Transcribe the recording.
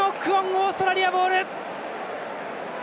オーストラリアボール！